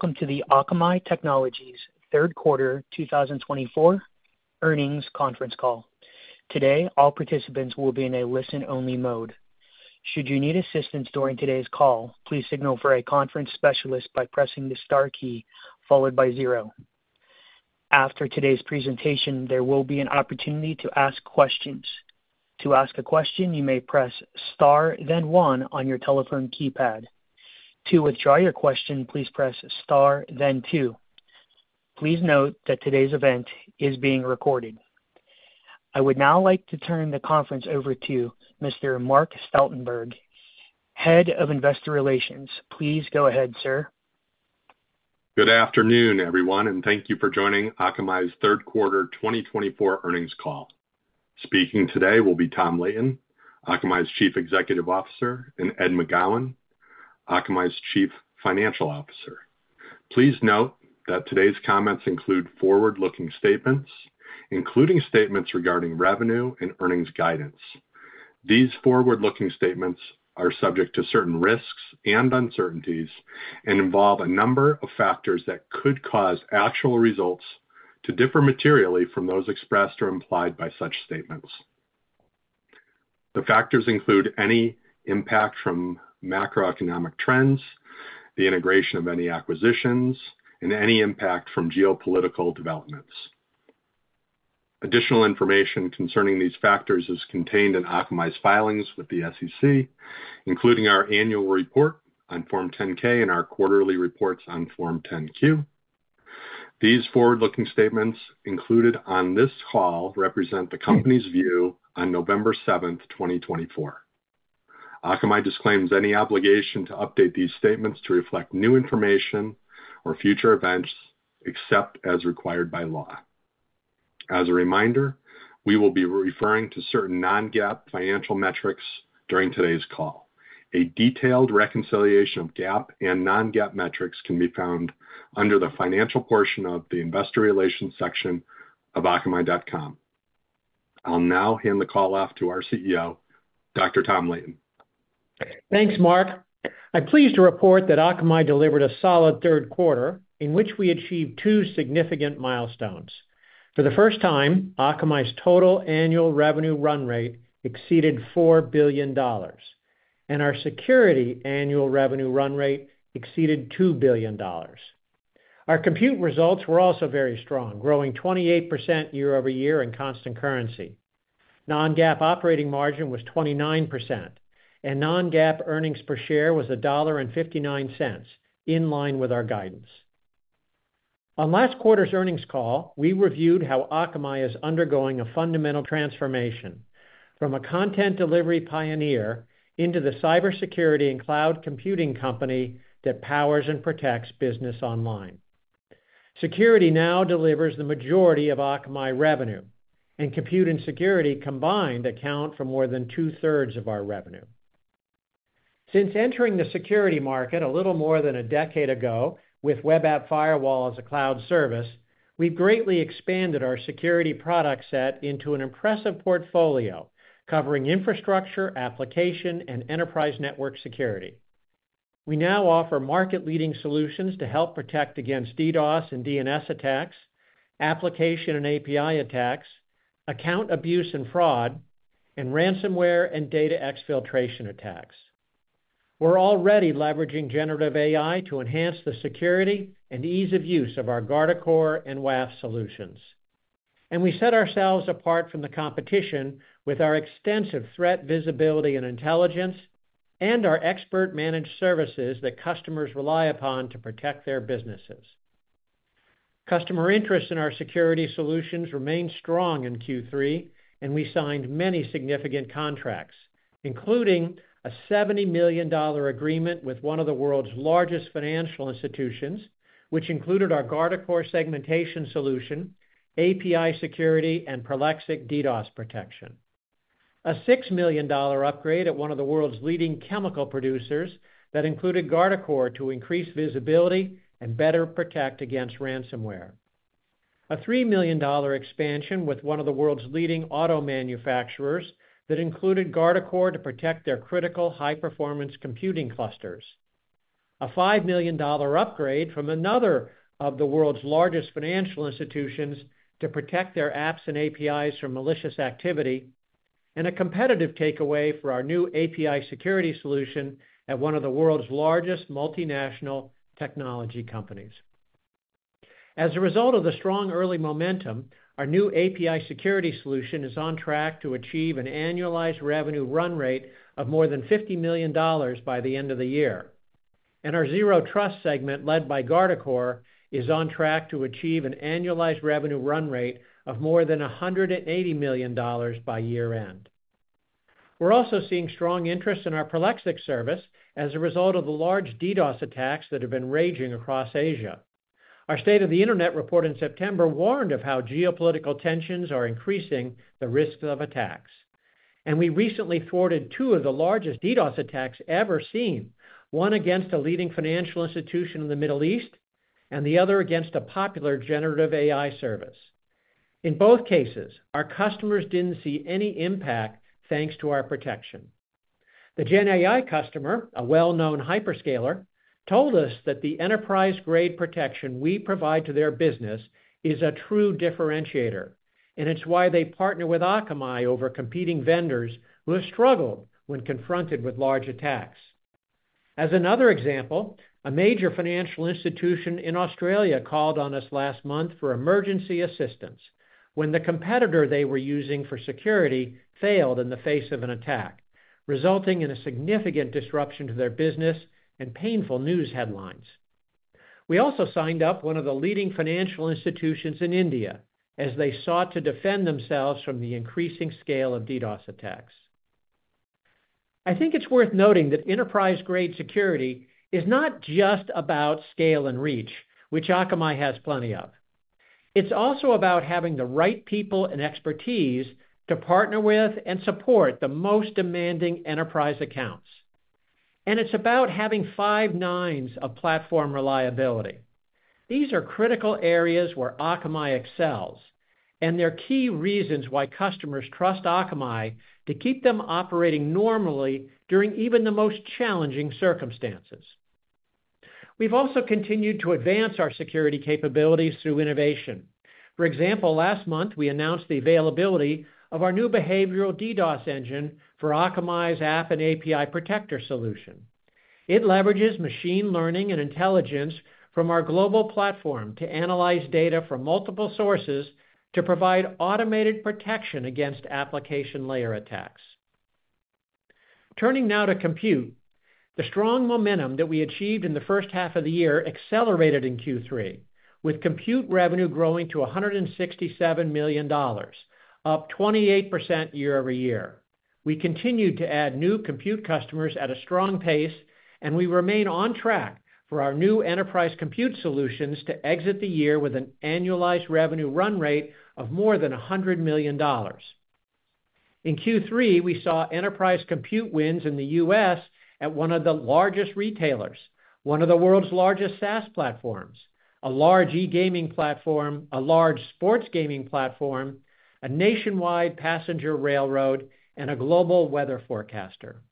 Welcome to the Akamai Technologies third quarter 2024 earnings conference call. Today, all participants will be in a listen-only mode. Should you need assistance during today's call, please signal for a conference specialist by pressing the star key followed by zero. After today's presentation, there will be an opportunity to ask questions. To ask a question, you may press star, then one on your telephone keypad. To withdraw your question, please press star, then two. Please note that today's event is being recorded. I would now like to turn the conference over to Mr. Mark Stoutenberg, Head of Investor Relations. Please go ahead, sir. Good afternoon, everyone, and thank you for joining Akamai's third quarter 2024 earnings call. Speaking today will be Tom Leighton, Akamai's Chief Executive Officer, and Ed McGowan, Akamai's Chief Financial Officer. Please note that today's comments include forward-looking statements, including statements regarding revenue and earnings guidance. These forward-looking statements are subject to certain risks and uncertainties and involve a number of factors that could cause actual results to differ materially from those expressed or implied by such statements. The factors include any impact from macroeconomic trends, the integration of any acquisitions, and any impact from geopolitical developments. Additional information concerning these factors is contained in Akamai's filings with the SEC, including our annual report on Form 10-K and our quarterly reports on Form 10-Q. These forward-looking statements included on this call represent the company's view on November 7, 2024. Akamai disclaims any obligation to update these statements to reflect new information or future events, except as required by law. As a reminder, we will be referring to certain non-GAAP financial metrics during today's call. A detailed reconciliation of GAAP and non-GAAP metrics can be found under the financial portion of the Investor Relations section of akamai.com. I'll now hand the call off to our CEO, Dr. Tom Leighton. Thanks, Mark. I'm pleased to report that Akamai delivered a solid third quarter in which we achieved two significant milestones. For the first time, Akamai's total annual revenue run rate exceeded $4 billion, and our security annual revenue run rate exceeded $2 billion. Our compute results were also very strong, growing 28% year-over-year in constant currency. Non-GAAP operating margin was 29%, and non-GAAP earnings per share was $1.59, in line with our guidance. On last quarter's earnings call, we reviewed how Akamai is undergoing a fundamental transformation from a content delivery pioneer into the cybersecurity and cloud computing company that powers and protects business online. Security now delivers the majority of Akamai revenue, and compute and security combined account for more than two-thirds of our revenue. Since entering the security market a little more than a decade ago, with Web App Firewall as a cloud service, we've greatly expanded our security product set into an impressive portfolio covering infrastructure, application, and enterprise network security. We now offer market-leading solutions to help protect against DDoS and DNS attacks, application and API attacks, account abuse and fraud, and ransomware and data exfiltration attacks. We're already leveraging generative AI to enhance the security and ease of use of our Guardicore and WAF solutions, and we set ourselves apart from the competition with our extensive threat visibility and intelligence and our expert-managed services that customers rely upon to protect their businesses. Customer interest in our security solutions remained strong in Q3, and we signed many significant contracts, including a $70 million agreement with one of the world's largest financial institutions, which included our Guardicore segmentation solution, API security, and Prolexic DDoS protection. A $6 million upgrade at one of the world's leading chemical producers that included Guardicore to increase visibility and better protect against ransomware. A $3 million expansion with one of the world's leading auto manufacturers that included Guardicore to protect their critical high-performance computing clusters. A $5 million upgrade from another of the world's largest financial institutions to protect their apps and APIs from malicious activity. And a competitive takeaway for our new API security solution at one of the world's largest multinational technology companies. As a result of the strong early momentum, our new API security solution is on track to achieve an annualized revenue run rate of more than $50 million by the end of the year, and our Zero Trust segment led by Guardicore is on track to achieve an annualized revenue run rate of more than $180 million by year-end. We're also seeing strong interest in our Prolexic service as a result of the large DDoS attacks that have been raging across Asia. Our State of the Internet report in September warned of how geopolitical tensions are increasing the risks of attacks, and we recently thwarted two of the largest DDoS attacks ever seen, one against a leading financial institution in the Middle East and the other against a popular generative AI service. In both cases, our customers didn't see any impact thanks to our protection. The GenAI customer, a well-known hyperscaler, told us that the enterprise-grade protection we provide to their business is a true differentiator, and it's why they partner with Akamai over competing vendors who have struggled when confronted with large attacks. As another example, a major financial institution in Australia called on us last month for emergency assistance when the competitor they were using for security failed in the face of an attack, resulting in a significant disruption to their business and painful news headlines. We also signed up one of the leading financial institutions in India as they sought to defend themselves from the increasing scale of DDoS attacks. I think it's worth noting that enterprise-grade security is not just about scale and reach, which Akamai has plenty of. It's also about having the right people and expertise to partner with and support the most demanding enterprise accounts. It's about having five nines of platform reliability. These are critical areas where Akamai excels, and they're key reasons why customers trust Akamai to keep them operating normally during even the most challenging circumstances. We've also continued to advance our security capabilities through innovation. For example, last month, we announced the availability of our new behavioral DDoS engine for Akamai's App & API Protector solution. It leverages machine learning and intelligence from our global platform to analyze data from multiple sources to provide automated protection against application layer attacks. Turning now to compute, the strong momentum that we achieved in the first half of the year accelerated in Q3, with compute revenue growing to $167 million, up 28% year-over-year. We continued to add new compute customers at a strong pace, and we remain on track for our new enterprise compute solutions to exit the year with an annualized revenue run rate of more than $100 million. In Q3, we saw enterprise compute wins in the U.S. at one of the largest retailers, one of the world's largest SaaS platforms, a large e-gaming platform, a large sports gaming platform, a nationwide passenger railroad, and a global weather forecaster.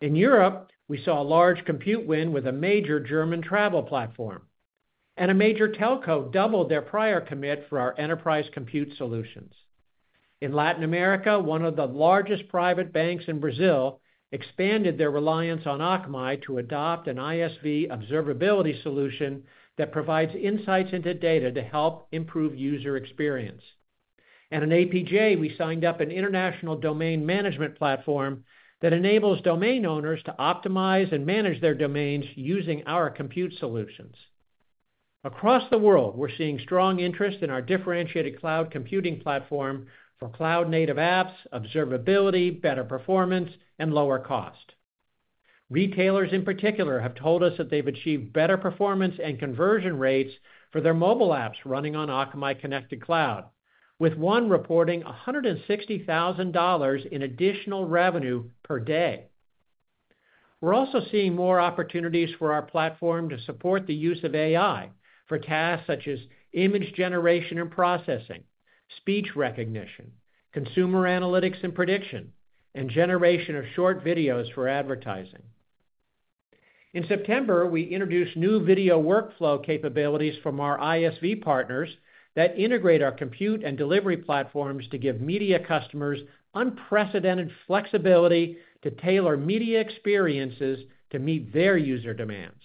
In Europe, we saw a large compute win with a major German travel platform, and a major telco doubled their prior commit for our enterprise compute solutions. In Latin America, one of the largest private banks in Brazil expanded their reliance on Akamai to adopt an ISV observability solution that provides insights into data to help improve user experience. In APJ, we signed up an international domain management platform that enables domain owners to optimize and manage their domains using our compute solutions. Across the world, we're seeing strong interest in our differentiated cloud computing platform for cloud-native apps, observability, better performance, and lower cost. Retailers, in particular, have told us that they've achieved better performance and conversion rates for their mobile apps running on Akamai Connected Cloud, with one reporting $160,000 in additional revenue per day. We're also seeing more opportunities for our platform to support the use of AI for tasks such as image generation and processing, speech recognition, consumer analytics and prediction, and generation of short videos for advertising. In September, we introduced new video workflow capabilities from our ISV partners that integrate our compute and delivery platforms to give media customers unprecedented flexibility to tailor media experiences to meet their user demands.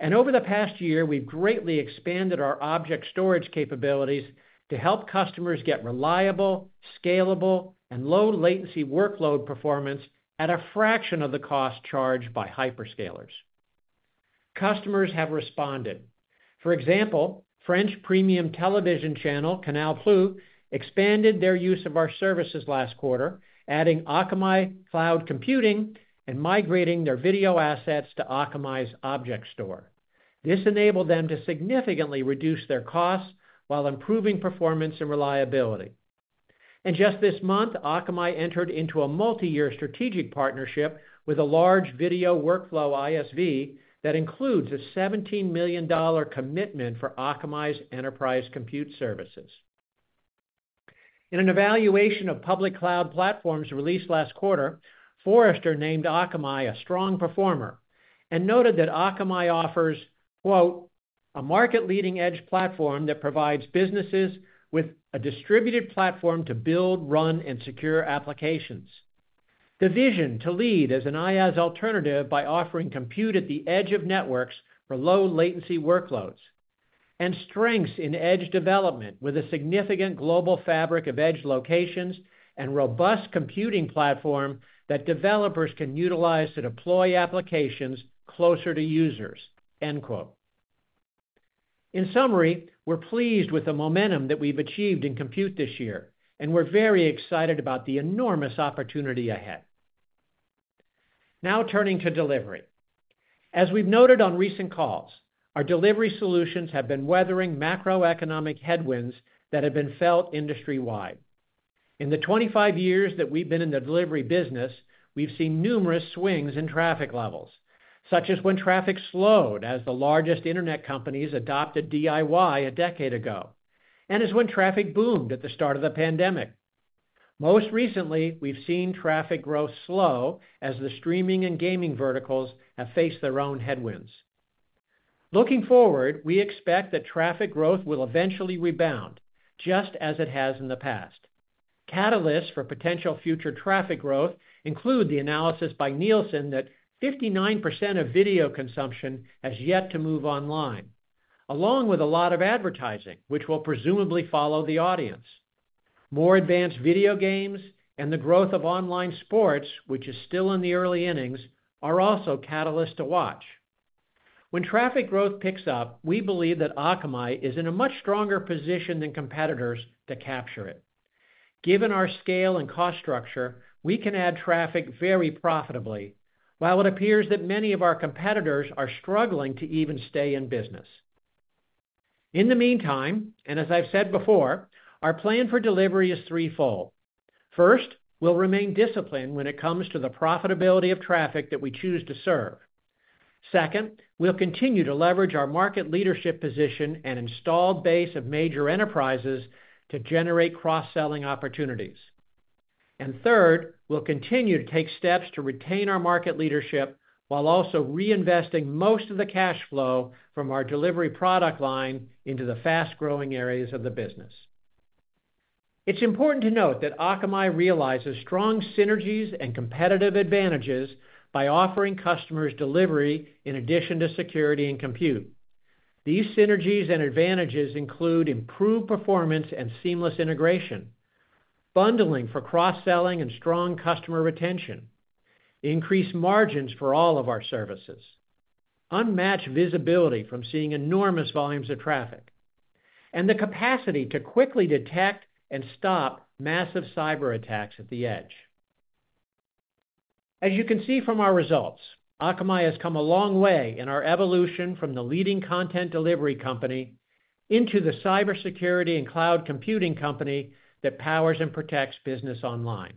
And over the past year, we've greatly expanded our object storage capabilities to help customers get reliable, scalable, and low-latency workload performance at a fraction of the cost charged by hyperscalers. Customers have responded. For example, French premium television channel Canal+ expanded their use of our services last quarter, adding Akamai Cloud Computing and migrating their video assets to Akamai's object store. This enabled them to significantly reduce their costs while improving performance and reliability. And just this month, Akamai entered into a multi-year strategic partnership with a large video workflow ISV that includes a $17 million commitment for Akamai's enterprise compute services. In an evaluation of public cloud platforms released last quarter, Forrester named Akamai a strong performer and noted that Akamai offers, quote, "a market-leading edge platform that provides businesses with a distributed platform to build, run, and secure applications." The vision to lead as an IaaS alternative by offering compute at the edge of networks for low-latency workloads and strengths in edge development with a significant global fabric of edge locations and robust computing platform that developers can utilize to deploy applications closer to users, end quote. In summary, we're pleased with the momentum that we've achieved in compute this year, and we're very excited about the enormous opportunity ahead. Now turning to delivery. As we've noted on recent calls, our delivery solutions have been weathering macroeconomic headwinds that have been felt industry-wide. In the 25 years that we've been in the delivery business, we've seen numerous swings in traffic levels, such as when traffic slowed as the largest internet companies adopted DIY a decade ago, and as when traffic boomed at the start of the pandemic. Most recently, we've seen traffic growth slow as the streaming and gaming verticals have faced their own headwinds. Looking forward, we expect that traffic growth will eventually rebound, just as it has in the past. Catalysts for potential future traffic growth include the analysis by Nielsen that 59% of video consumption has yet to move online, along with a lot of advertising, which will presumably follow the audience. More advanced video games and the growth of online sports, which is still in the early innings, are also catalysts to watch. When traffic growth picks up, we believe that Akamai is in a much stronger position than competitors to capture it. Given our scale and cost structure, we can add traffic very profitably, while it appears that many of our competitors are struggling to even stay in business. In the meantime, and as I've said before, our plan for delivery is threefold. First, we'll remain disciplined when it comes to the profitability of traffic that we choose to serve. Second, we'll continue to leverage our market leadership position and installed base of major enterprises to generate cross-selling opportunities. And third, we'll continue to take steps to retain our market leadership while also reinvesting most of the cash flow from our delivery product line into the fast-growing areas of the business. It's important to note that Akamai realizes strong synergies and competitive advantages by offering customers delivery in addition to security and compute. These synergies and advantages include improved performance and seamless integration, bundling for cross-selling and strong customer retention, increased margins for all of our services, unmatched visibility from seeing enormous volumes of traffic, and the capacity to quickly detect and stop massive cyber attacks at the edge. As you can see from our results, Akamai has come a long way in our evolution from the leading content delivery company into the cybersecurity and cloud computing company that powers and protects business online.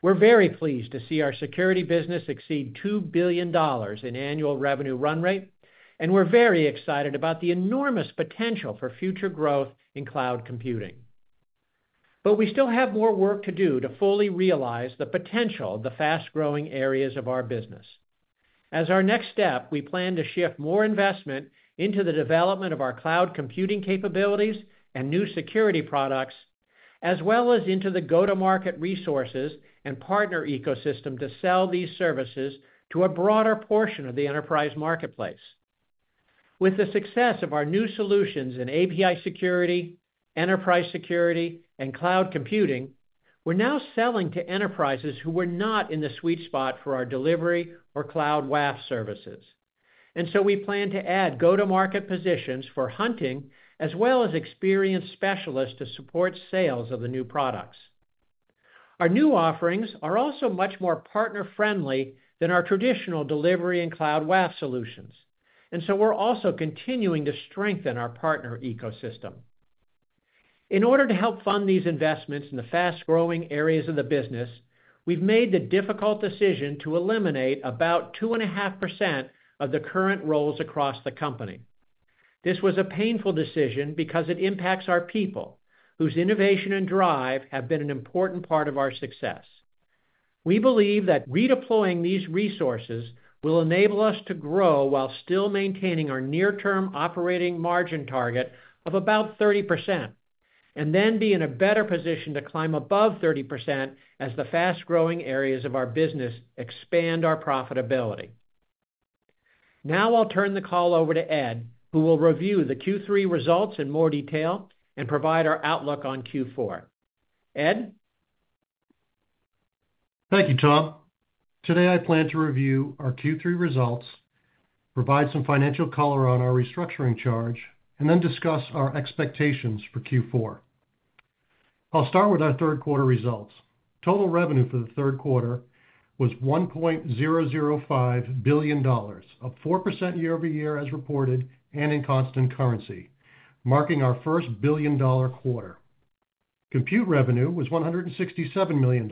We're very pleased to see our security business exceed $2 billion in annual revenue run rate, and we're very excited about the enormous potential for future growth in cloud computing. But we still have more work to do to fully realize the potential of the fast-growing areas of our business. As our next step, we plan to shift more investment into the development of our cloud computing capabilities and new security products, as well as into the go-to-market resources and partner ecosystem to sell these services to a broader portion of the enterprise marketplace. With the success of our new solutions in API security, enterprise security, and cloud computing, we're now selling to enterprises who were not in the sweet spot for our delivery or cloud WAF services. And so we plan to add go-to-market positions for hunting as well as experienced specialists to support sales of the new products. Our new offerings are also much more partner-friendly than our traditional delivery and cloud WAF solutions. And so we're also continuing to strengthen our partner ecosystem. In order to help fund these investments in the fast-growing areas of the business, we've made the difficult decision to eliminate about 2.5% of the current roles across the company. This was a painful decision because it impacts our people, whose innovation and drive have been an important part of our success. We believe that redeploying these resources will enable us to grow while still maintaining our near-term operating margin target of about 30%, and then be in a better position to climb above 30% as the fast-growing areas of our business expand our profitability. Now I'll turn the call over to Ed, who will review the Q3 results in more detail and provide our outlook on Q4. Ed? Thank you, Tom. Today, I plan to review our Q3 results, provide some financial color on our restructuring charge, and then discuss our expectations for Q4. I'll start with our third-quarter results. Total revenue for the third quarter was $1.005 billion, up 4% year-over-year as reported and in constant currency, marking our first billion-dollar quarter. Compute revenue was $167 million,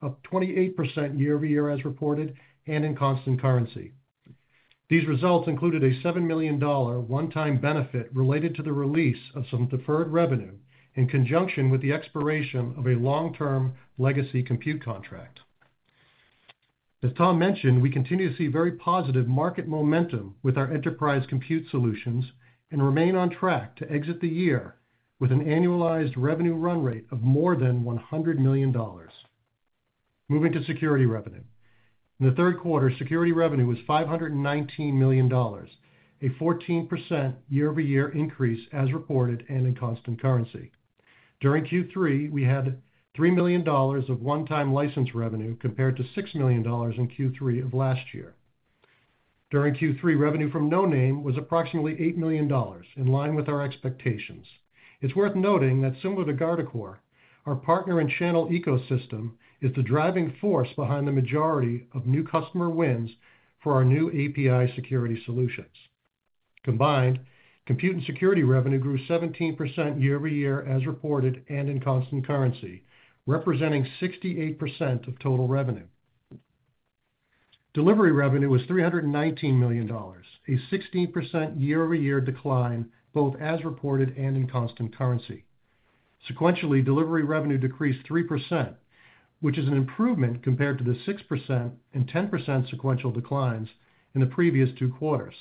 up 28% year-over-year as reported and in constant currency. These results included a $7 million one-time benefit related to the release of some deferred revenue in conjunction with the expiration of a long-term legacy compute contract. As Tom mentioned, we continue to see very positive market momentum with our enterprise compute solutions and remain on track to exit the year with an annualized revenue run rate of more than $100 million. Moving to security revenue. In the third quarter, security revenue was $519 million, a 14% year-over-year increase as reported and in constant currency. During Q3, we had $3 million of one-time license revenue compared to $6 million in Q3 of last year. During Q3, revenue from Noname was approximately $8 million, in line with our expectations. It's worth noting that, similar to Guardicore, our partner and channel ecosystem is the driving force behind the majority of new customer wins for our new API security solutions. Combined, compute and security revenue grew 17% year-over-year as reported and in constant currency, representing 68% of total revenue. Delivery revenue was $319 million, a 16% year-over-year decline both as reported and in constant currency. Sequentially, delivery revenue decreased 3%, which is an improvement compared to the 6% and 10% sequential declines in the previous two quarters.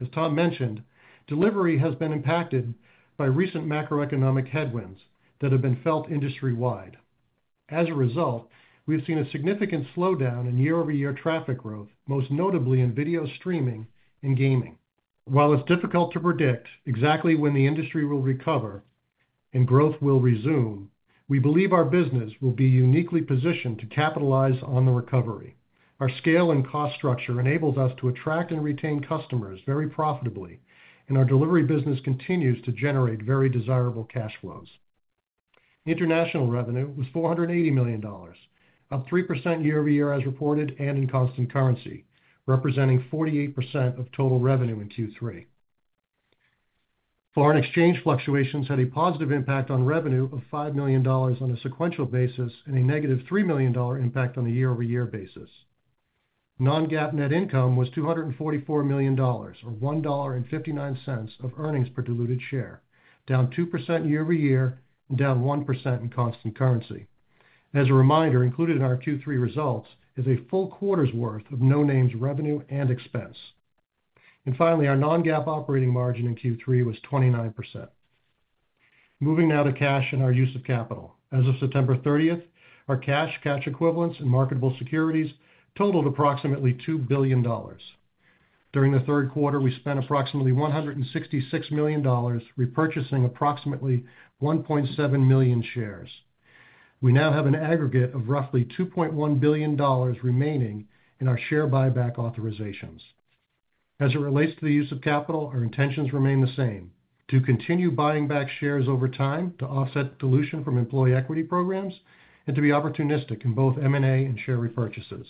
As Tom mentioned, delivery has been impacted by recent macroeconomic headwinds that have been felt industry-wide. As a result, we've seen a significant slowdown in year-over-year traffic growth, most notably in video streaming and gaming. While it's difficult to predict exactly when the industry will recover and growth will resume, we believe our business will be uniquely positioned to capitalize on the recovery. Our scale and cost structure enables us to attract and retain customers very profitably, and our delivery business continues to generate very desirable cash flows. International revenue was $480 million, up 3% year-over-year as reported and in constant currency, representing 48% of total revenue in Q3. Foreign exchange fluctuations had a positive impact on revenue of $5 million on a sequential basis and a -$3 million impact on the year-over-year basis. Non-GAAP net income was $244 million, or $1.59 of earnings per diluted share, down 2% year-over-year and down 1% in constant currency. As a reminder, included in our Q3 results is a full quarter's worth of Noname's revenue and expense. And finally, our non-GAAP operating margin in Q3 was 29%. Moving now to cash and our use of capital. As of September 30th, our cash, cash equivalents, and marketable securities totaled approximately $2 billion. During the third quarter, we spent approximately $166 million, repurchasing approximately 1.7 million shares. We now have an aggregate of roughly $2.1 billion remaining in our share buyback authorizations. As it relates to the use of capital, our intentions remain the same: to continue buying back shares over time to offset dilution from employee equity programs and to be opportunistic in both M&A and share repurchases.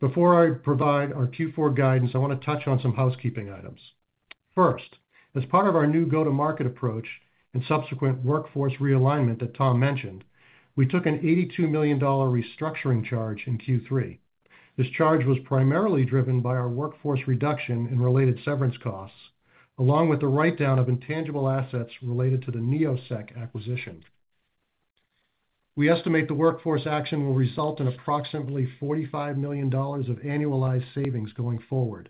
Before I provide our Q4 guidance, I want to touch on some housekeeping items. First, as part of our new go-to-market approach and subsequent workforce realignment that Tom mentioned, we took an $82 million restructuring charge in Q3. This charge was primarily driven by our workforce reduction and related severance costs, along with the write-down of intangible assets related to the Neosec acquisition. We estimate the workforce action will result in approximately $45 million of annualized savings going forward.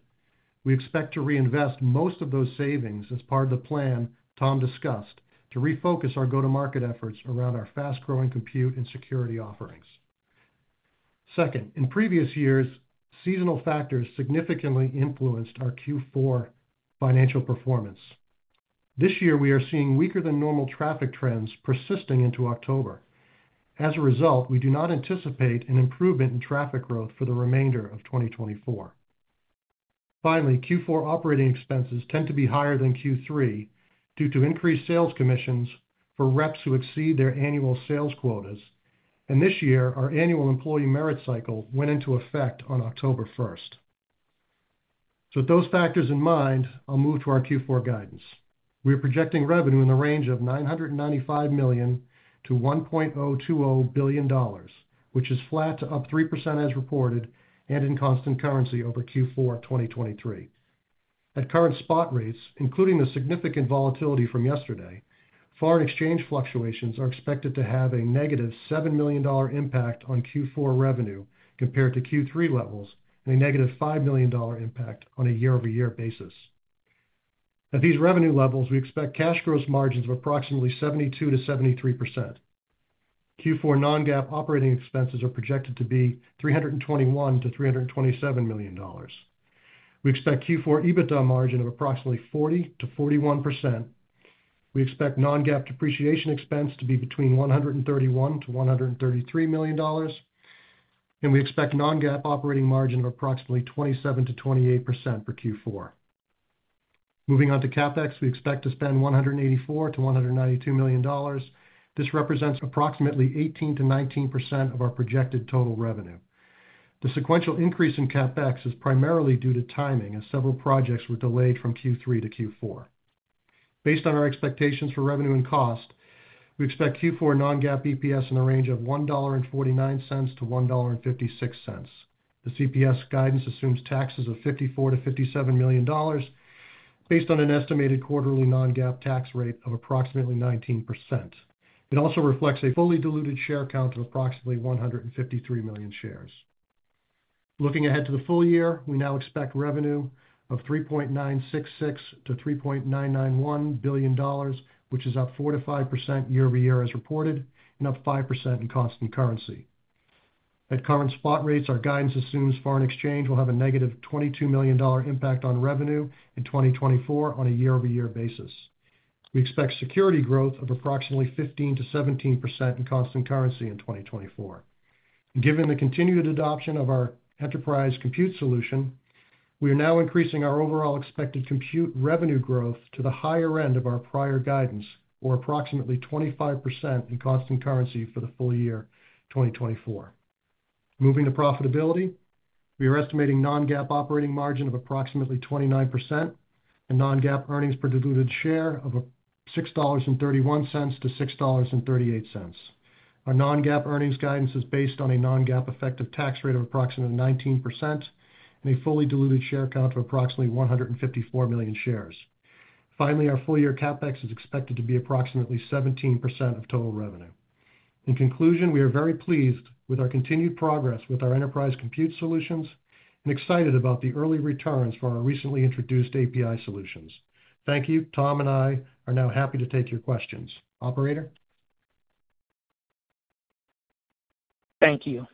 We expect to reinvest most of those savings as part of the plan Tom discussed to refocus our go-to-market efforts around our fast-growing compute and security offerings. Second, in previous years, seasonal factors significantly influenced our Q4 financial performance. This year, we are seeing weaker-than-normal traffic trends persisting into October. As a result, we do not anticipate an improvement in traffic growth for the remainder of 2024. Finally, Q4 operating expenses tend to be higher than Q3 due to increased sales commissions for reps who exceed their annual sales quotas, and this year, our annual employee merit cycle went into effect on October 1st. So with those factors in mind, I'll move to our Q4 guidance. We are projecting revenue in the range of $995 million to $1.020 billion, which is flat to up 3% as reported and in constant currency over Q4 2023. At current spot rates, including the significant volatility from yesterday, foreign exchange fluctuations are expected to have a -$7 million impact on Q4 revenue compared to Q3 levels and a -$5 million impact on a year-over-year basis. At these revenue levels, we expect cash gross margins of approximately 72%-73%. Q4 non-GAAP operating expenses are projected to be $321-$327 million. We expect Q4 EBITDA margin of approximately 40%-41%. We expect non-GAAP depreciation expense to be between $131 million-$133 million, and we expect non-GAAP operating margin of approximately 27%-28% for Q4. Moving on to CapEx, we expect to spend $184 million-$192 million. This represents approximately 18%-19% of our projected total revenue. The sequential increase in CapEx is primarily due to timing, as several projects were delayed from Q3 to Q4. Based on our expectations for revenue and cost, we expect Q4 non-GAAP EPS in the range of $1.49-$1.56. The EPS guidance assumes taxes of $54 million-$57 million based on an estimated quarterly non-GAAP tax rate of approximately 19%. It also reflects a fully diluted share count of approximately 153 million shares. Looking ahead to the full year, we now expect revenue of $3.966 billion-$3.991 billion, which is up 4%-5% year-over-year as reported and up 5% in constant currency. At current spot rates, our guidance assumes foreign exchange will have a -$22 million impact on revenue in 2024 on a year-over-year basis. We expect security growth of approximately 15%-17% in constant currency in 2024. Given the continued adoption of our enterprise compute solution, we are now increasing our overall expected compute revenue growth to the higher end of our prior guidance, or approximately 25% in constant currency for the full year, 2024. Moving to profitability, we are estimating non-GAAP operating margin of approximately 29% and non-GAAP earnings per diluted share of $6.31-$6.38. Our non-GAAP earnings guidance is based on a non-GAAP effective tax rate of approximately 19% and a fully diluted share count of approximately 154 million shares. Finally, our full-year CapEx is expected to be approximately 17% of total revenue. In conclusion, we are very pleased with our continued progress with our enterprise compute solutions and excited about the early returns for our recently introduced API solutions. Thank you. Tom and I are now happy to take your questions. Operator? Thank you.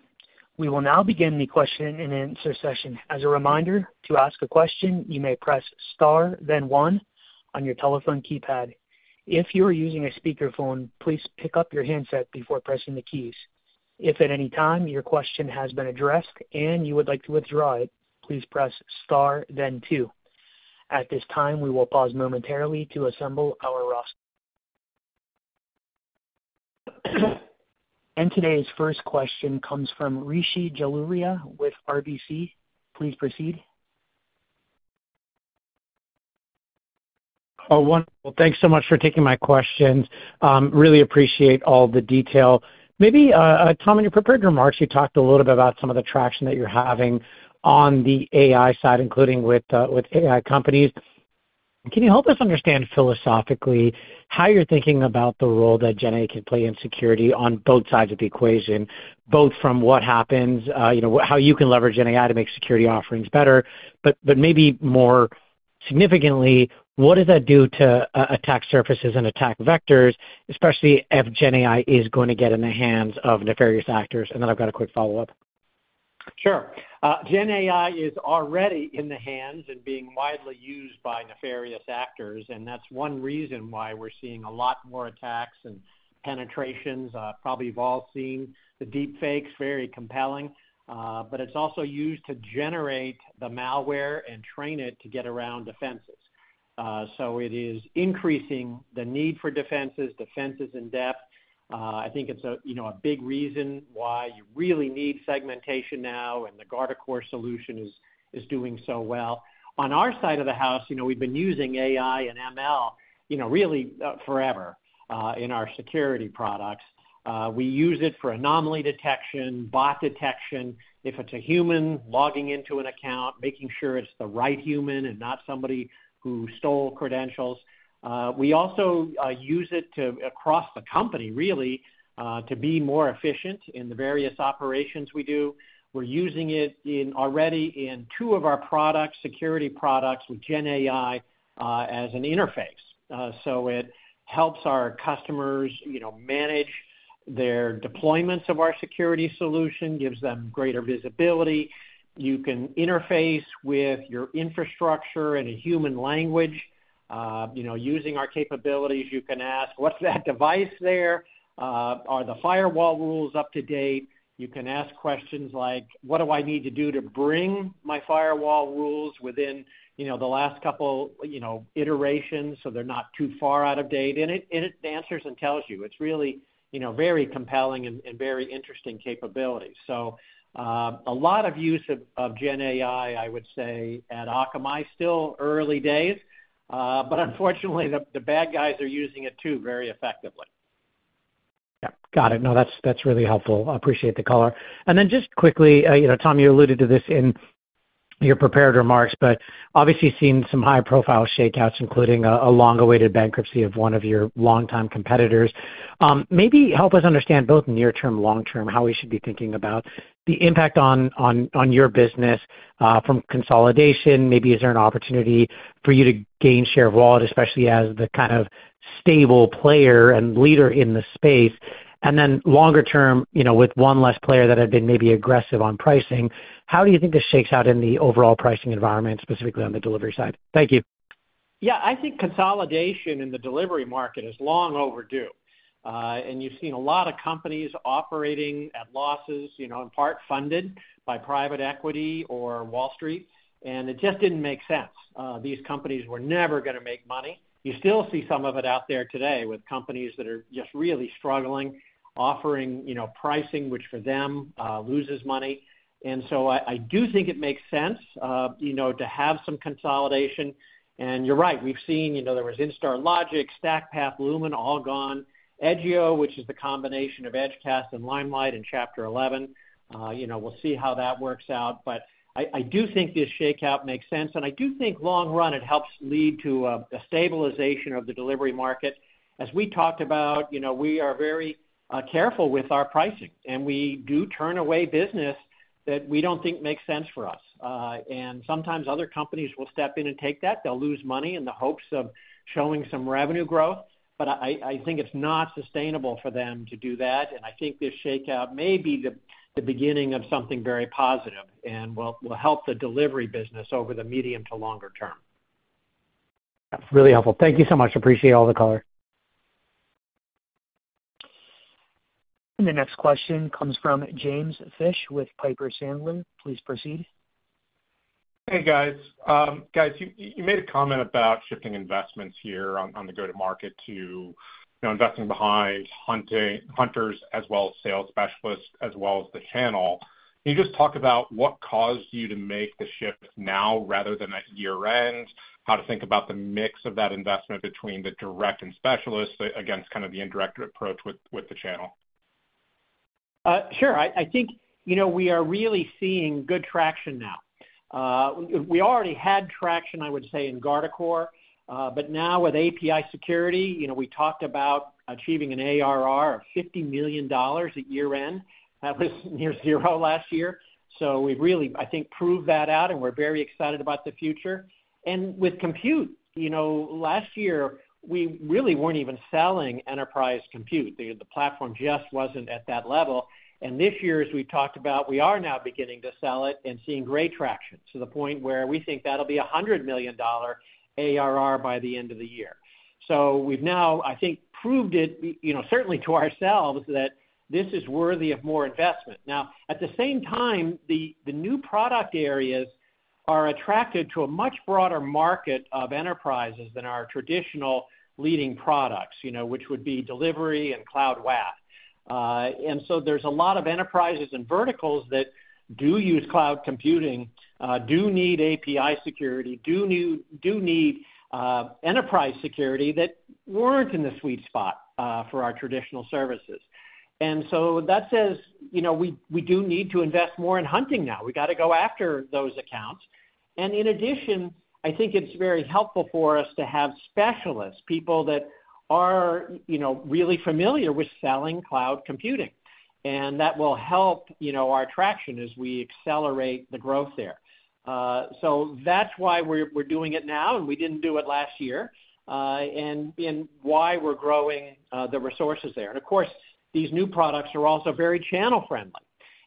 We will now begin the question and answer session. As a reminder, to ask a question, you may press star, then one on your telephone keypad. If you are using a speakerphone, please pick up your handset before pressing the keys. If at any time your question has been addressed and you would like to withdraw it, please press star, then two. At this time, we will pause momentarily to assemble our roster. And today's first question comes from Rishi Jaluria with RBC. Please proceed. Oh, wonderful. Thanks so much for taking my questions. Really appreciate all the detail. Maybe, Tom, in your prepared remarks, you talked a little bit about some of the traction that you're having on the AI side, including with AI companies. Can you help us understand philosophically how you're thinking about the role that GenAI can play in security on both sides of the equation, both from what happens, how you can leverage GenAI to make security offerings better, but maybe more significantly, what does that do to attack surfaces and attack vectors, especially if GenAI is going to get in the hands of nefarious actors? And then I've got a quick follow-up. Sure. GenAI is already in the hands and being widely used by nefarious actors, and that's one reason why we're seeing a lot more attacks and penetrations. Probably you've all seen the deepfakes, very compelling, but it's also used to generate the malware and train it to get around defenses. So it is increasing the need for defenses, defenses in depth. I think it's a big reason why you really need segmentation now, and the Guardicore solution is doing so well. On our side of the house, we've been using AI and ML really forever in our security products. We use it for anomaly detection, bot detection, if it's a human logging into an account, making sure it's the right human and not somebody who stole credentials. We also use it across the company, really, to be more efficient in the various operations we do. We're using it already in two of our products, security products with GenAI as an interface. So it helps our customers manage their deployments of our security solution, gives them greater visibility. You can interface with your infrastructure in a human language. Using our capabilities, you can ask, "What's that device there? Are the firewall rules up to date?" You can ask questions like, "What do I need to do to bring my firewall rules within the last couple iterations so they're not too far out of date?" And it answers and tells you. It's really very compelling and very interesting capabilities. So a lot of use of GenAI, I would say, at Akamai still early days, but unfortunately, the bad guys are using it too very effectively. Yeah. Got it. No, that's really helpful. I appreciate the color. And then just quickly, Tom, you alluded to this in your prepared remarks, but obviously seeing some high-profile shakeouts, including a long-awaited bankruptcy of one of your long-time competitors. Maybe help us understand both near-term, long-term, how we should be thinking about the impact on your business from consolidation. Maybe is there an opportunity for you to gain share of wallet, especially as the kind of stable player and leader in the space? And then longer-term, with one less player that had been maybe aggressive on pricing, how do you think this shakes out in the overall pricing environment, specifically on the delivery side? Thank you. Yeah. I think consolidation in the delivery market is long overdue, and you've seen a lot of companies operating at losses, in part funded by private equity or Wall Street, and it just didn't make sense. These companies were never going to make money. You still see some of it out there today with companies that are just really struggling, offering pricing, which for them loses money, and so I do think it makes sense to have some consolidation, and you're right. We've seen there was Instart Logic, StackPath, Lumen, all gone. Edgio, which is the combination of Edgecast and Limelight in Chapter 11. We'll see how that works out, but I do think this shakeout makes sense, and I do think long-run it helps lead to a stabilization of the delivery market. As we talked about, we are very careful with our pricing, and we do turn away business that we don't think makes sense for us, and sometimes other companies will step in and take that. They'll lose money in the hopes of showing some revenue growth, but I think it's not sustainable for them to do that, and I think this shakeout may be the beginning of something very positive and will help the delivery business over the medium to longer term. That's really helpful. Thank you so much. Appreciate all the color. And the next question comes from James Fish with Piper Sandler. Please proceed. Hey, guys. Guys, you made a comment about shifting investments here on the go-to-market to investing behind hunters as well as sales specialists as well as the channel. Can you just talk about what caused you to make the shift now rather than at year-end? How to think about the mix of that investment between the direct and specialists against kind of the indirect approach with the channel? Sure. I think we are really seeing good traction now. We already had traction, I would say, in Guardicore, but now with API security, we talked about achieving an ARR of $50 million at year-end. That was near zero last year, so we've really, I think, proved that out, and we're very excited about the future, and with compute, last year, we really weren't even selling enterprise compute. The platform just wasn't at that level, and this year, as we've talked about, we are now beginning to sell it and seeing great traction to the point where we think that'll be a $100 million ARR by the end of the year, so we've now, I think, proved it certainly to ourselves that this is worthy of more investment. Now, at the same time, the new product areas are attracted to a much broader market of enterprises than our traditional leading products, which would be delivery and cloud WAF. And so there's a lot of enterprises and verticals that do use cloud computing, do need API security, do need enterprise security that weren't in the sweet spot for our traditional services. And so that says we do need to invest more in hunting now. We got to go after those accounts. And in addition, I think it's very helpful for us to have specialists, people that are really familiar with selling cloud computing, and that will help our traction as we accelerate the growth there. So that's why we're doing it now, and we didn't do it last year, and why we're growing the resources there. And of course, these new products are also very channel-friendly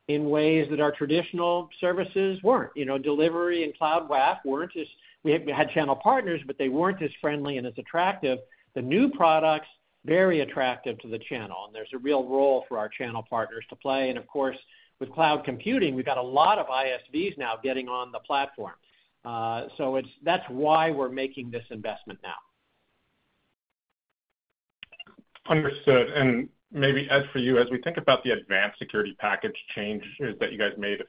in ways that our traditional services weren't. Delivery and cloud WAF weren't. As we had channel partners, but they weren't as friendly and as attractive. The new products, very attractive to the channel, and there's a real role for our channel partners to play. And of course, with cloud computing, we've got a lot of ISVs now getting on the platform. So that's why we're making this investment now. Understood. And maybe Ed, for you, as we think about the advanced security package changes that you guys made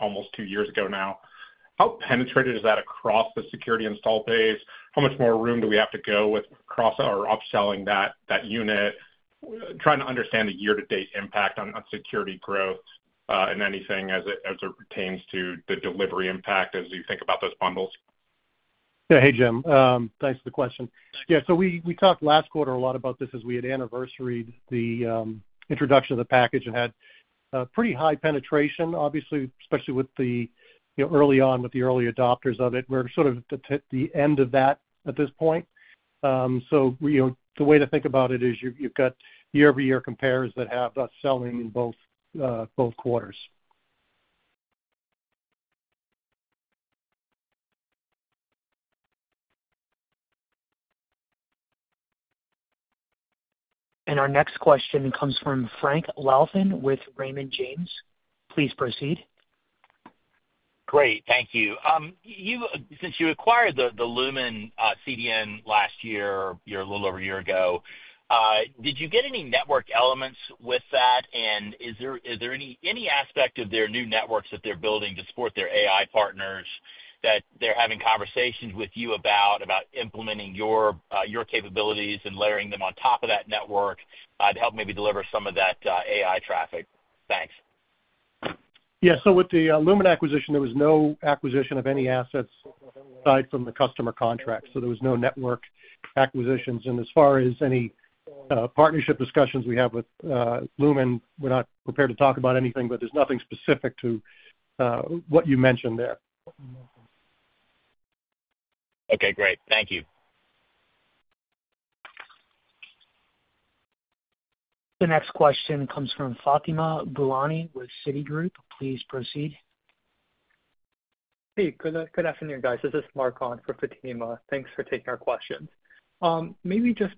almost two years ago now, how penetrated is that across the security installed base? How much more room do we have to go with our upselling that unit? Trying to understand the year-to-date impact on security growth and anything as it pertains to the delivery impact as you think about those bundles. Yeah. Hey, Jim. Thanks for the question. Yeah. So we talked last quarter a lot about this as we had anniversaried the introduction of the package and had pretty high penetration, obviously, especially early on with the early adopters of it. We're sort of at the end of that at this point. So the way to think about it is you've got year-over-year compares that have us selling in both quarters. And our next question comes from Frank Louthan with Raymond James. Please proceed. Great. Thank you. Since you acquired the Lumen CDN last year, a little over a year ago, did you get any network elements with that? And is there any aspect of their new networks that they're building to support their AI partners that they're having conversations with you about, about implementing your capabilities and layering them on top of that network to help maybe deliver some of that AI traffic? Thanks. Yeah. With the Lumen acquisition, there was no acquisition of any assets aside from the customer contracts. So there was no network acquisitions. And as far as any partnership discussions we have with Lumen, we're not prepared to talk about anything, but there's nothing specific to what you mentioned there. Okay. Great. Thank you. The next question comes from Fatima Boolani with Citigroup. Please proceed. Hey. Good afternoon, guys. This is Mark on for Fatima. Thanks for taking our questions. Maybe just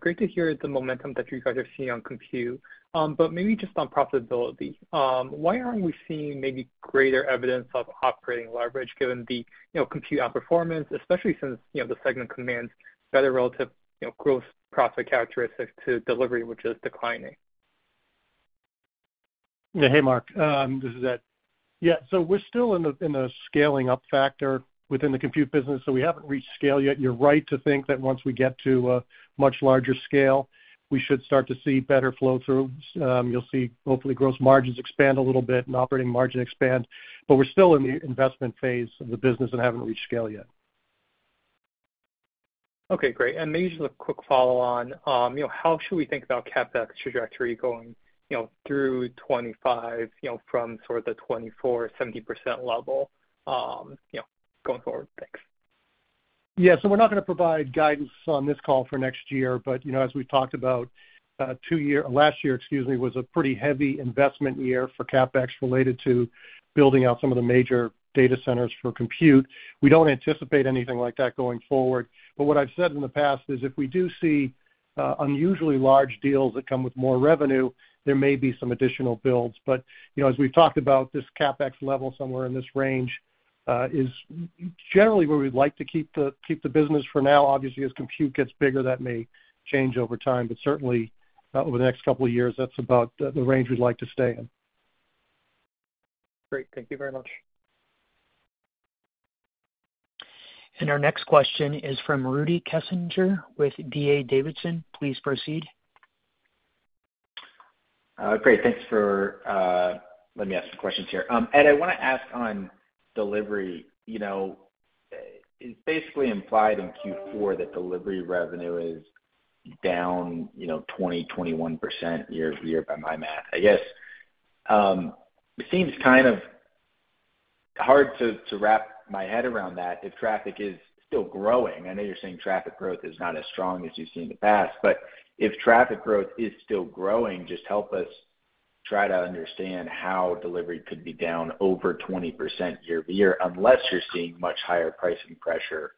great to hear the momentum that you guys are seeing on compute, but maybe just on profitability. Why aren't we seeing maybe greater evidence of operating leverage given the compute outperformance, especially since the segment commands better relative gross profit characteristics to delivery, which is declining? Yeah. Hey, Mark. This is Ed. Yeah. We're still in a scaling-up factor within the compute business, so we haven't reached scale yet. You're right to think that once we get to a much larger scale, we should start to see better flow-through. You'll see, hopefully, gross margins expand a little bit and operating margin expand, but we're still in the investment phase of the business and haven't reached scale yet. Okay. Great. And maybe just a quick follow-on, how should we think about CapEx trajectory going through 2025 from sort of the 2024, 70% level going forward? Thanks. Yeah. So we're not going to provide guidance on this call for next year, but as we've talked about, last year, excuse me, was a pretty heavy investment year for CapEx related to building out some of the major data centers for compute. We don't anticipate anything like that going forward, but what I've said in the past is if we do see unusually large deals that come with more revenue, there may be some additional builds. But as we've talked about, this CapEx level somewhere in this range is generally where we'd like to keep the business for now. Obviously, as compute gets bigger, that may change over time, but certainly over the next couple of years, that's about the range we'd like to stay in. Great. Thank you very much. And our next question is from Rudy Kessinger with D.A. Davidson. Please proceed. Great. Thanks for letting me ask some questions here. Ed, I want to ask on delivery. It's basically implied in Q4 that delivery revenue is down 20-21% year-over-year by my math. I guess it seems kind of hard to wrap my head around that if traffic is still growing. I know you're saying traffic growth is not as strong as you've seen in the past, but if traffic growth is still growing, just help us try to understand how delivery could be down over 20% year-over-year unless you're seeing much higher pricing pressure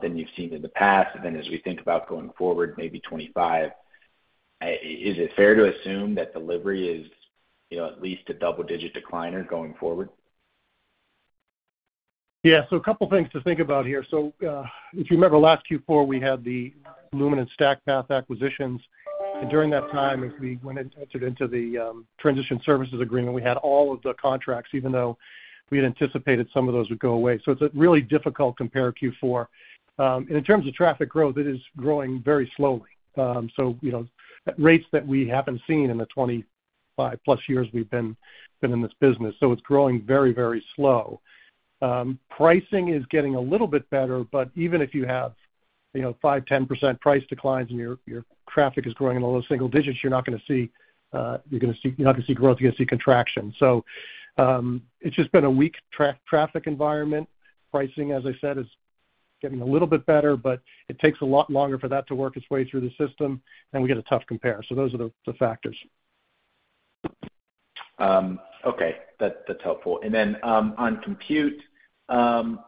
than you've seen in the past. And then as we think about going forward, maybe 2025, is it fair to assume that delivery is at least a double-digit decline going forward? Yeah. So a couple of things to think about here. So if you remember last Q4, we had the Lumen and StackPath acquisitions. And during that time, as we went into the transition services agreement, we had all of the contracts, even though we had anticipated some of those would go away. So it's a really difficult compare Q4. And in terms of traffic growth, it is growing very slowly. So rates that we haven't seen in the 25+ years we've been in this business. So it's growing very, very slow. Pricing is getting a little bit better, but even if you have 5%-10% price declines and your traffic is growing in the low single digits, you're not going to see growth. You're going to see contraction. So it's just been a weak traffic environment. Pricing, as I said, is getting a little bit better, but it takes a lot longer for that to work its way through the system, and we get a tough compare. So those are the factors. Okay. That's helpful. And then on compute,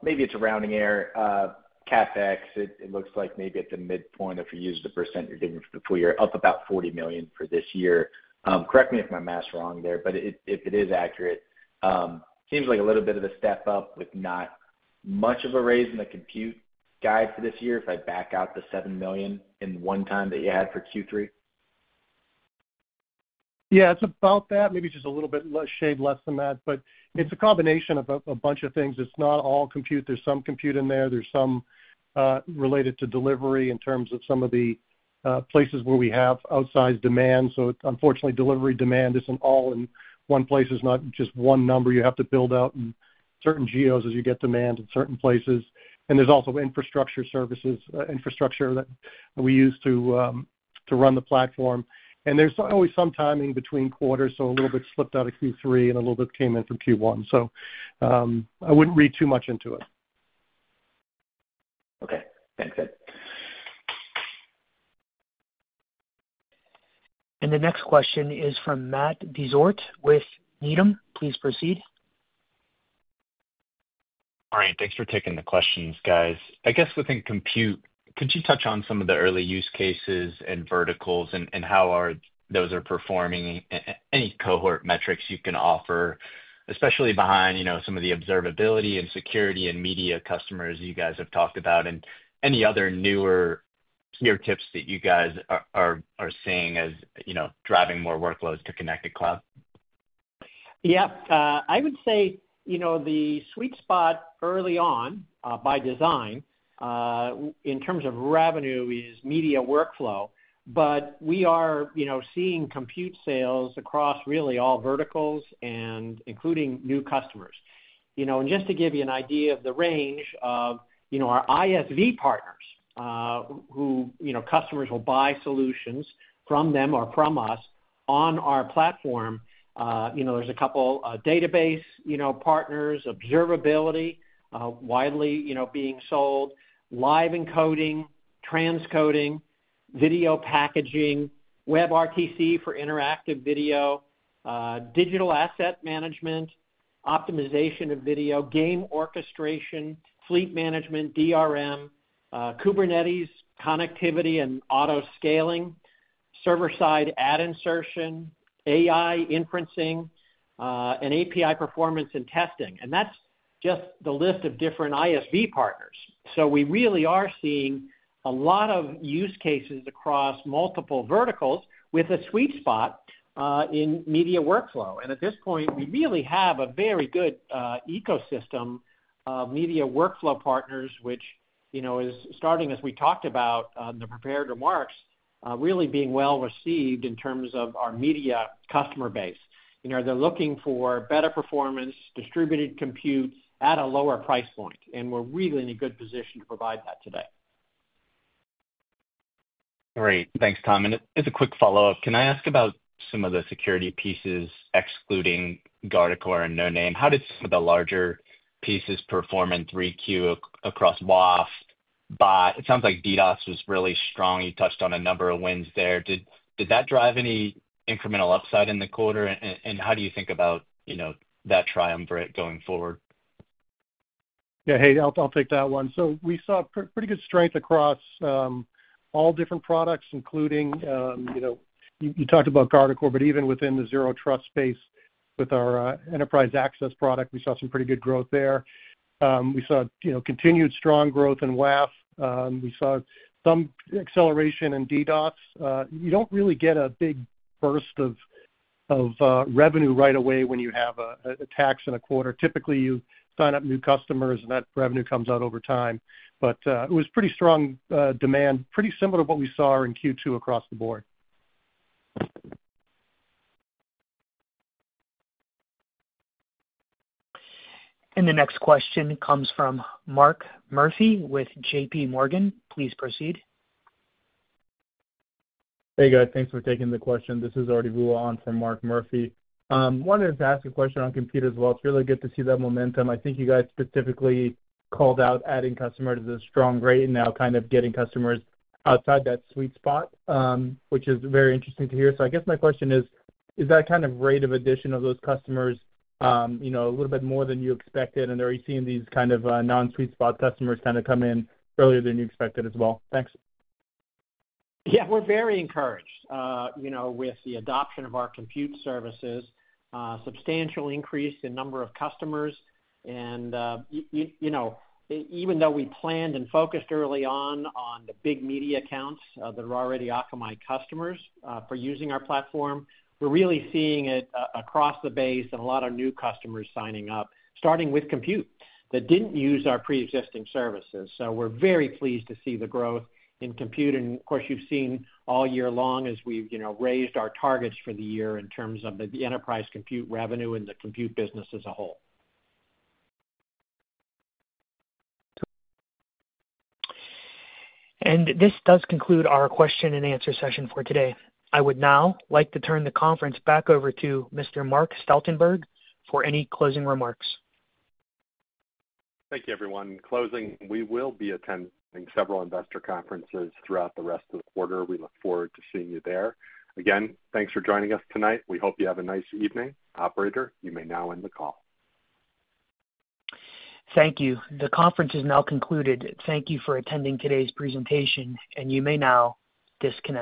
maybe it's a rounding error. CapEx, it looks like maybe at the midpoint of your use of the percent you're giving for the full year, up about $40 million for this year. Correct me if my math's wrong there, but if it is accurate, seems like a little bit of a step up with not much of a raise in the compute guide for this year if I back out the $7 million in one time that you had for Q3. Yeah. It's about that, maybe just a little bit shade less than that, but it's a combination of a bunch of things. It's not all compute. There's some compute in there. There's some related to delivery in terms of some of the places where we have outsized demand. So unfortunately, delivery demand isn't all in one place. It's not just one number. You have to build out certain geos as you get demand in certain places, and there's also infrastructure services, infrastructure that we use to run the platform. And there's always some timing between quarters, so a little bit slipped out of Q3 and a little bit came in from Q1. So I wouldn't read too much into it. Okay. Thanks, Ed. And the next question is from Matt Dezort with Needham. Please proceed. All right. Thanks for taking the questions, guys. I guess within compute, could you touch on some of the early use cases and verticals and how those are performing? Any cohort metrics you can offer, especially behind some of the observability and security and media customers you guys have talked about and any other newer tips that you guys are seeing as driving more workloads to Connected Cloud? Yeah. I would say the sweet spot early on by design in terms of revenue is media workflow, but we are seeing compute sales across really all verticals and including new customers. And just to give you an idea of the range of our ISV partners who customers will buy solutions from them or from us on our platform, there's a couple of database partners, observability widely being sold, live encoding, transcoding, video packaging, WebRTC for interactive video, digital asset management, optimization of video, game orchestration, fleet management, DRM, Kubernetes connectivity and auto scaling, server-side ad insertion, AI inferencing, and API performance and testing. And that's just the list of different ISV partners. So we really are seeing a lot of use cases across multiple verticals with a sweet spot in media workflow. At this point, we really have a very good ecosystem of media workflow partners, which is starting, as we talked about in the prepared remarks, really being well received in terms of our media customer base. They're looking for better performance, distributed compute at a lower price point, and we're really in a good position to provide that today. Great. Thanks, Tom. And as a quick follow-up, can I ask about some of the security pieces, excluding Guardicore or Noname? How did some of the larger pieces perform in 3Q across WAF? It sounds like DDoS was really strong. You touched on a number of wins there. Did that drive any incremental upside in the quarter? And how do you think about that triumvirate going forward? Yeah. Hey, I'll take that one. So we saw pretty good strength across all different products, including you talked about Guardicore, but even within the Zero Trust space with our enterprise access product, we saw some pretty good growth there. We saw continued strong growth in WAF. We saw some acceleration in DDoS. You don't really get a big burst of revenue right away when you have an attack in a quarter. Typically, you sign up new customers, and that revenue comes out over time. But it was pretty strong demand, pretty similar to what we saw in Q2 across the board. And the next question comes from Mark Murphy with J.P. Morgan. Please proceed. Hey, guys. Thanks for taking the question. This is Arti Vula on for Mark Murphy. Wanted to ask a question on compute as well. It's really good to see that momentum. I think you guys specifically called out adding customers at a strong rate and now kind of getting customers outside that sweet spot, which is very interesting to hear. So I guess my question is, is that kind of rate of addition of those customers a little bit more than you expected? And are you seeing these kind of non-sweet spot customers kind of come in earlier than you expected as well? Thanks. Yeah. We're very encouraged with the adoption of our compute services, substantial increase in number of customers, and even though we planned and focused early on the big media accounts that are already Akamai customers for using our platform, we're really seeing it across the base and a lot of new customers signing up, starting with compute that didn't use our pre-existing services, so we're very pleased to see the growth in compute. Of course, you've seen all year long as we've raised our targets for the year in terms of the enterprise compute revenue and the compute business as a whole. This does conclude our question and answer session for today. I would now like to turn the conference back over to Mr. Mark Stoutenberg for any closing remarks. Thank you, everyone. Closing, we will be attending several investor conferences throughout the rest of the quarter. We look forward to seeing you there. Again, thanks for joining us tonight. We hope you have a nice evening. Operator, you may now end the call. Thank you. The conference is now concluded. Thank you for attending today's presentation, and you may now disconnect.